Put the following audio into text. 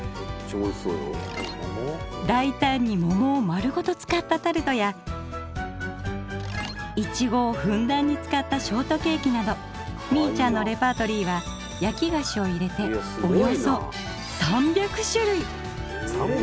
だいたんに桃を丸ごと使ったタルトやいちごをふんだんに使ったショートケーキなどみいちゃんのレパートリーはやき菓子を入れておよそ３００種類！